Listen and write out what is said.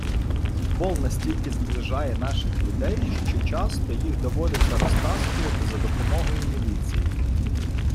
Футбол настільки зближає наших людей, що часто їх доводиться розтаскувати за допомогою міліції